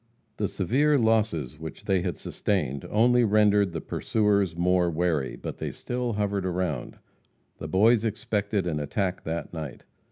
The severe losses which they had sustained only rendered the pursuers more wary; but they still hovered around. The Boys expected an attack that night.